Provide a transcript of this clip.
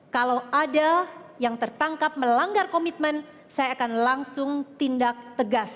kalau ada yang tertangkap melanggar komitmen saya akan langsung tindak tegas